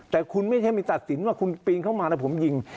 แต่คุณไม่ใช่มีตัดสินว่าคุณปีนเข้ามาแล้วผมยิง